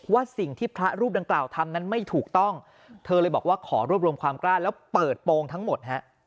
สิ่งที่พระรูปดังกล่าวทำนั้นไม่ถูกต้องเธอเลยบอกว่าขอรวบรวมความกล้าแล้วเปิดโปรงทั้งหมดฮะ